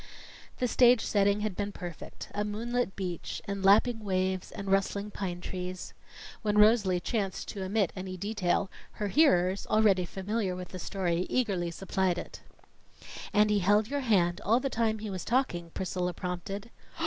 The stage setting had been perfect a moonlit beach, and lapping waves and rustling pine trees. When Rosalie chanced to omit any detail, her hearers, already familiar with the story, eagerly supplied it. "And he held your hand all the time he was talking," Priscilla prompted.